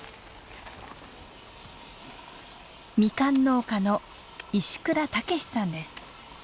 ミカン農家の石倉健さんです。